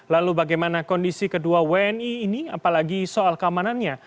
lalu bagaimana kondisi kedua wni ini apalagi soal keamanannya